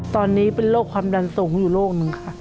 ตอนนี้เป็นโรคความดันสูงอยู่โรคนึงค่ะ